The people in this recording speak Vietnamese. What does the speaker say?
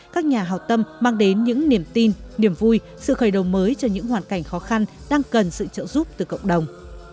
các nhà hào tâm mang đến những niềm tin niềm vui sự khởi đầu mới cho những hoàn cảnh khó khăn đang cần sự trợ giúp từ cộng đồng